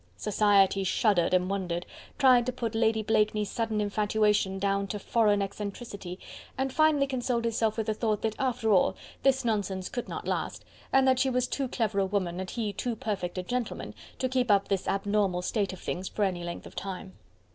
Society shuddered and wondered! tried to put Lady Blakeney's sudden infatuation down to foreign eccentricity, and finally consoled itself with the thought that after all this nonsense could not last, and that she was too clever a woman and he too perfect a gentleman to keep up this abnormal state of things for any length of time.